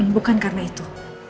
bukan karena itu